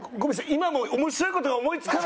今も面白い事が思いつかなくて。